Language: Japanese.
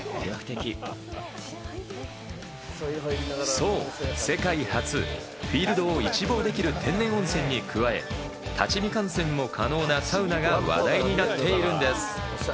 そう、世界初、フィールドを一望できる天然温泉に加え、立ち見観戦も可能なサウナが話題になっているんです。